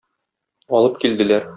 Алып килделәр.